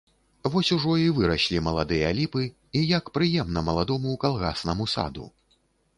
Вось ужо і выраслі маладыя ліпы і як прыемна маладому калгаснаму саду!